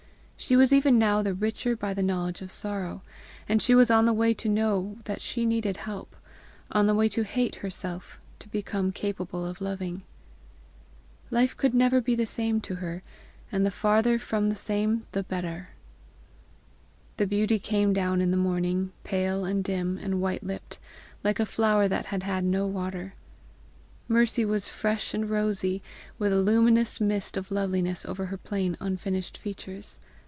She was even now the richer by the knowledge of sorrow, and she was on the way to know that she needed help, on the way to hate herself, to become capable of loving. Life could never be the same to her, and the farther from the same the better! The beauty came down in the morning pale and dim and white lipped, like a flower that had had no water. Mercy was fresh and rosy, with a luminous mist of loveliness over her plain unfinished features.